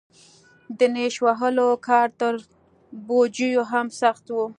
د نېش وهلو کار تر پوجيو هم سخت و.